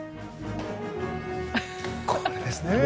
これですね。